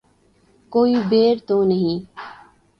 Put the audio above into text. کوئی بیر تو نہیں